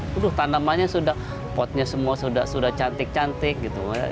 waduh tanamannya sudah potnya semua sudah cantik cantik gitu